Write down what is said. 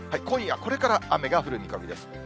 今夜これから、雨が降る見込みです。